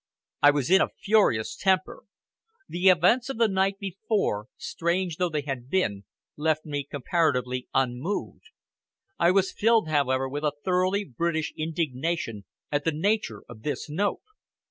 I was in a furious temper. The events of the night before, strange though they had been, left me comparatively unmoved. I was filled, however, with a thoroughly British indignation at the nature of this note.